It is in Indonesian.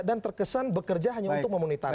dan terkesan bekerja hanya untuk memenuhi target